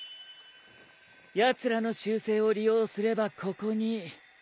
やつらの習性を利用すればここに。